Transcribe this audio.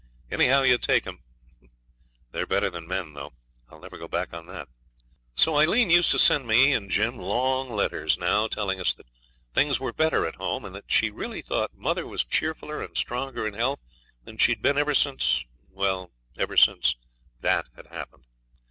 Anyhow you take 'em, they're better than men, though. I'll never go back on that. So Aileen used to send me and Jim long letters now, telling us that things were better at home, and that she really thought mother was cheerfuller and stronger in health than she'd been ever since well, ever since that had happened.